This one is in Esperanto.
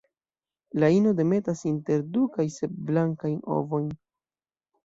La ino demetas inter du kaj sep blankajn ovojn.